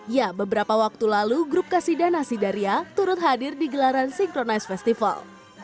ya beberapa waktu lalu grup kasidah nasidaria turut hadir di gelaran synchronize festival